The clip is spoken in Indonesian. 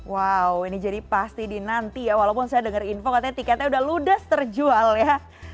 wow ini jadi pasti di nanti ya walaupun saya dengar info katanya tiketnya sudah ludas terjual ya